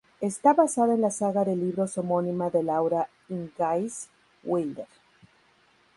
Está basada en la saga de libros homónima de Laura Ingalls Wilder.